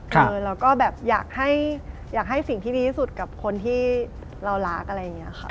แล้วก็แบบอยากให้สิ่งที่ดีที่สุดกับคนที่เรารักอะไรอย่างนี้ค่ะ